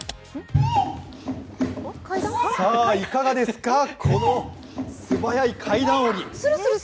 さあ、いかがですか、この素早い階段下り。